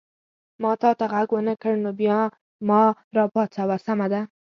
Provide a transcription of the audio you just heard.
ما تا ته غږ ونه کړ نو بیا ما را پاڅوه، سمه ده؟